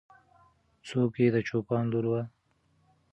څوک یې د چوپان لور وه؟